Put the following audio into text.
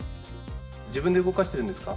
自分で動かしてるんですか？